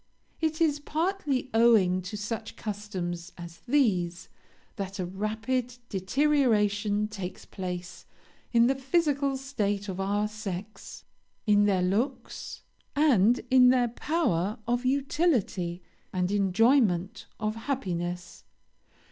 It is partly owing to such customs as these that a rapid deterioration takes place in the physical state of our sex, in their looks, and in their power of utility, and enjoyment of happiness.